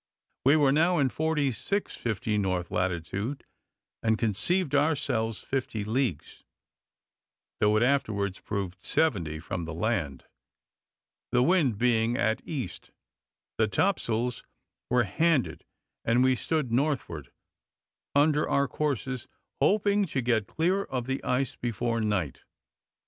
We were now in 46 50 north latitude, and conceived ourselves 50 leagues, though it afterwards proved seventy, from the land. The wind being at east, the top sails were handed; and we stood northward, under our courses, hoping to get clear of the ice before night.